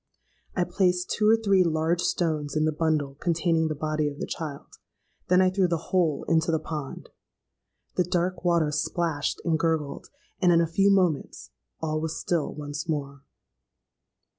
I placed two or three large stones in the bundle containing the body of the child: then I threw the whole into the pond. The dark water splashed and gurgled; and in a few moments all was still once more.